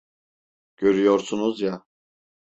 Görüyorsunuz ya!